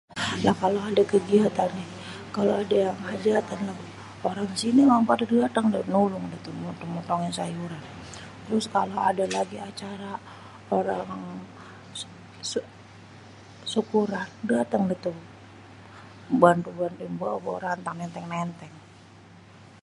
Lah kalo ada kegiatan nih, kalo ada yang hajatan orang sini mah pada dateng dah, nolong dah tuh motong-motongin sayuran. Terus kalo ada lagi acara orang syukuran dateng déh tuh, bantu-bantuin bawa-bawa rantang, nénténg-nénténg.